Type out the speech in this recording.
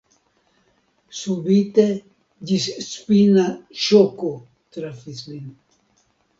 Subite ĝisspina ŝoko trafis lin.